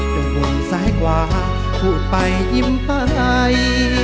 เป็นห่วงซ้ายกว่าพูดไปยิ้มไป